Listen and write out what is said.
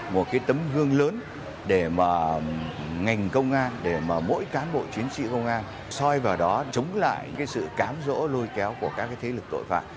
một cái tấm gương lớn để mà ngành công an để mà mỗi cán bộ chiến sĩ công an soi vào đó chống lại cái sự cám rỗ lôi kéo của các cái thế lực tội phạm